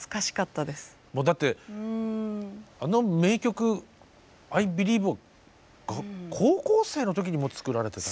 もうだってあの名曲「Ｉｂｅｌｉｅｖｅ」を高校生の時にもう作られてたと。